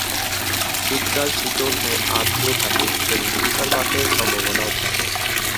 শীতকাল শীতল ও আর্দ্র থাকে এবং তুষারপাতের সম্ভাবনাও থাকে।